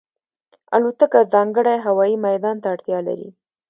الوتکه ځانګړی هوايي میدان ته اړتیا لري.